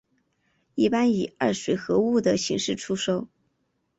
一般以二水合物的形式出售。